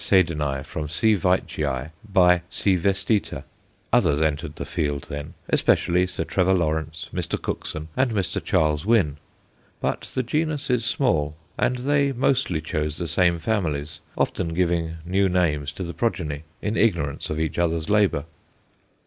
Sedeni_ from C. Veitchii × C. vestita. Others entered the field then, especially Sir Trevor Lawrence, Mr. Cookson, and Mr. Charles Winn. But the genus is small, and they mostly chose the same families, often giving new names to the progeny, in ignorance of each other's labour.